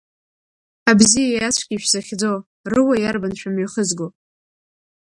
Абзиеи ацәгьеи шәзыхьӡо, рыуа иарбан шәымҩахызго?